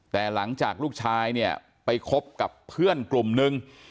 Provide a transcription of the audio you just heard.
แต่หลังจากลูกชายเนี่ยไปคบกับเพื่อนกลุ่มนึง